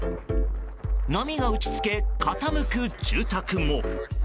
波が打ち付け、傾く住宅も。